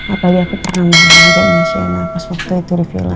apalagi aku pernah mengadain siena pas waktu itu di villa